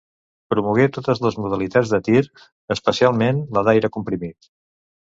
Promogué totes les modalitats de tir, especialment la d'aire comprimit.